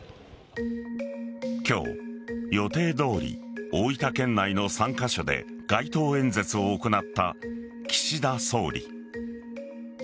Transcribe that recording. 今日、予定どおり大分県内の３カ所で街頭演説を行った岸田総理。